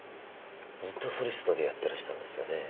ずっとソリストでやってらしたんですよね？